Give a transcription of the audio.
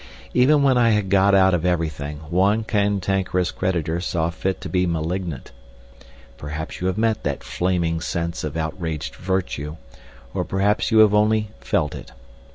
Even when I had got out of everything, one cantankerous creditor saw fit to be malignant. Perhaps you have met that flaming sense of outraged virtue, or perhaps you have only felt it.